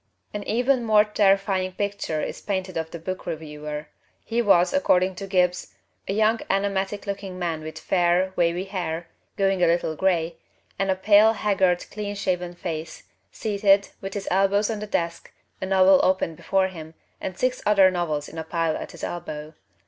An even more terrifying picture is painted of the book reviewer. He was, according to Gibbs, "A young, anemic looking man with fair, wavy hair, going a little gray, and a pale, haggard, clean shaven face, seated, with his elbows on the desk, a novel opened before him and six other novels in a pile at his elbow.